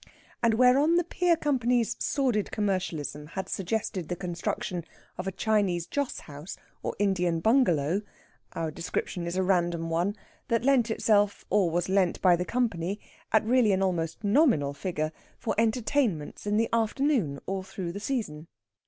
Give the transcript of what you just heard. And whereon the pier company's sordid commercialism had suggested the construction of a Chinese joss house, or Indian bungalow our description is a random one that lent itself, or was lent by the company, at really an almost nominal figure, for entertainments in the afternoon all through the season.